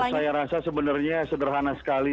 saya rasa sebenarnya sederhana sekali